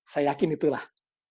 saya yakin itulah